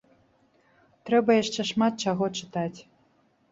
Трэба яшчэ шмат чаго чытаць.